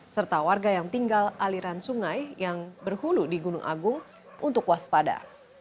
serta warga yang tinggal aliran sungai yang berhulu di gunung agung untuk waspada